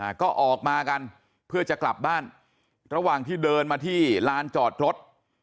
อ่าก็ออกมากันเพื่อจะกลับบ้านระหว่างที่เดินมาที่ลานจอดรถ